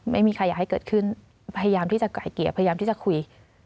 ไม่มีใครอยากให้เกิดขึ้นพยายามที่จะไกลเกลี่ยพยายามที่จะคุย